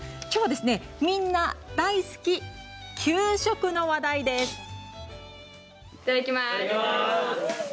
きょうはみんな大好き給食の話題です。